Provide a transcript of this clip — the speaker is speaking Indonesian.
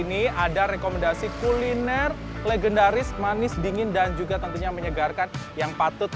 ini ada rekomendasi kuliner legendaris manis dingin dan juga tentunya menyegarkan yang patut